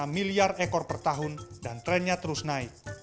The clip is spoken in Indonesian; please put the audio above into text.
lima miliar ekor per tahun dan trennya terus naik